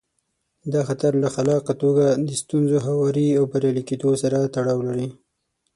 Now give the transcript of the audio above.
دا خطر له خلاقه توګه د ستونزو هواري له بریالي کېدو سره تړاو لري.